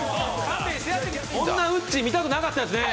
こんなウッチー見たくなかったですね。